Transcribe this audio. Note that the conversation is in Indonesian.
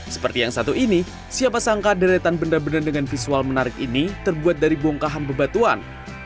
seperti yang satu ini siapa sangka deretan benda benda dengan visual menarik ini terbuat dari bongkahan bebatuan